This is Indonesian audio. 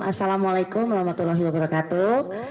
assalamualaikum warahmatullahi wabarakatuh